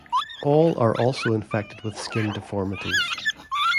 All are also infected with skin deformities.